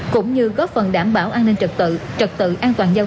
cũng như góp phần đảm bảo an ninh trật tự